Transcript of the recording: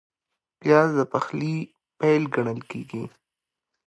پیاز د پخلي پیل ګڼل کېږي